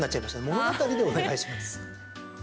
物語でお願いします。